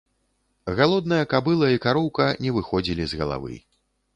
Галодная кабыла і кароўка не выходзілі з галавы.